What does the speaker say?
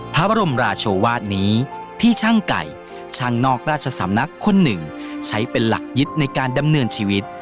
พระบรมราชวาสนี้ที่ช่างไก่ช่างนอกราชสำนักคนหนึ่งใช้เป็นหลักยึดในการดำเนินชีวิต